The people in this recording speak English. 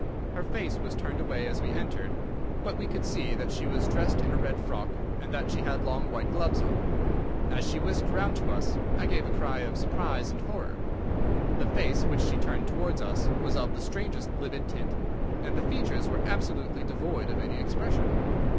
Her face was turned away as we entered, but we could see that she was dressed in a red frock, and that she had long white gloves on. As she whisked round to us, I gave a cry of surprise and horror. The face which she turned towards us was of the strangest livid tint, and the features were absolutely devoid of any expression.